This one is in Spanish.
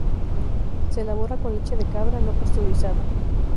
Se elabora con leche de cabra no pasteurizada.